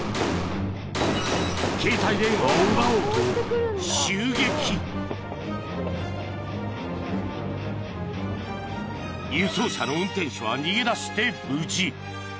・［輸送車の運転手は逃げ出して無事］